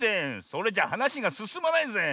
それじゃはなしがすすまないぜ。